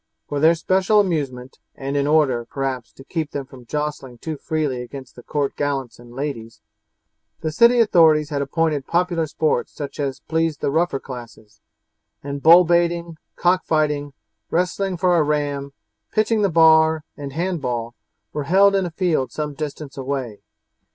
For their special amusement, and in order, perhaps, to keep them from jostling too freely against the court gallants and ladies, the city authorities had appointed popular sports such as pleased the rougher classes; and bull baiting, cock fighting, wrestling for a ram, pitching the bar, and hand ball, were held in a field some distance away.